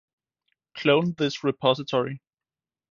Clone this repository